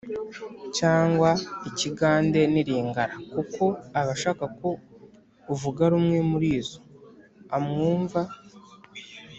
cyangwa ikigande n’ilingala, kuko aba ashaka ko uvuga rumwe muri zo amwumva